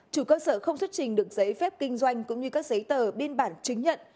chủ cơ sở không xuất trình được giấy phép kinh doanh cũng như các giấy tờ biên bản chứng nhận